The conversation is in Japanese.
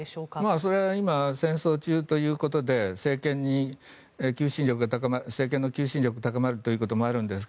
それは今戦争中ということで政権の求心力が高まるということもあるんですが